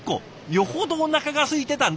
よほどおなかがすいてたんですね。